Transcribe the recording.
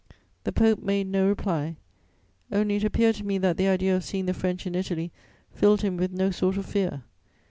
"The Pope made no reply; only it appeared to me that the idea of seeing the French in Italy filled him with no sort of fear.